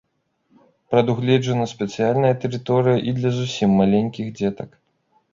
Прадугледжана спецыяльная тэрыторыя і для зусім маленькіх дзетак.